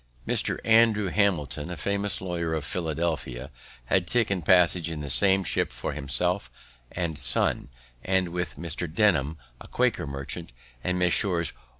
Mr. Andrew Hamilton, a famous lawyer of Philadelphia, had taken passage in the same ship for himself and son, and with Mr. Denham, a Quaker merchant, and Messrs.